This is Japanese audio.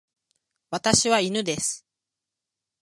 私は犬です。